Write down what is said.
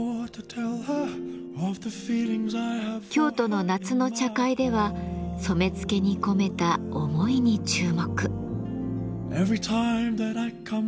京都の夏の茶会では染付に込めた思いに注目。